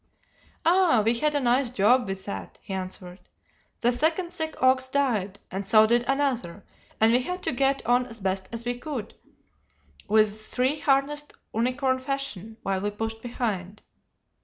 "Ah, we had a nice job with that," he answered. "The second sick ox died, and so did another, and we had to get on as best we could with three harnessed unicorn fashion, while we pushed behind.